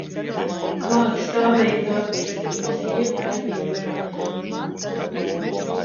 Klāt stāvēja Gatis, viņa sieva gaidīja jau mājā.